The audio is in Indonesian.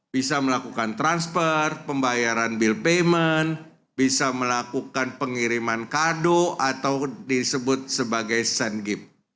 bisa melakukan transfer pembayaran bill payment bisa melakukan pengiriman kado atau disebut sebagai sand gip